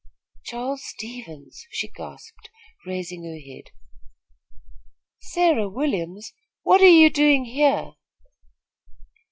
"Charles Stevens!" she gasped, raising her head. "Sarah Williams, what are you doing here?"